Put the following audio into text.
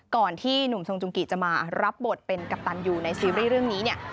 ก่อนที่หนุ่มทรงจุงกิจะมารับบทเป็นกัปตันอยู่ในซีรีส์เรื่องนี้เนี่ย